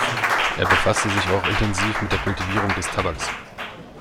Er befasste sich auch intensiv mit der Kultivierung des Tabaks.